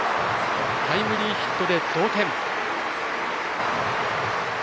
タイムリーヒットで同点。